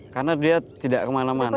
karena dia tidak kemana mana